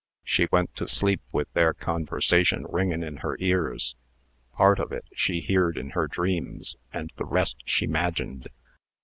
She went to sleep with their conversation ringin' in her ears. Part on it she heerd in her dreams, and the rest she 'magined.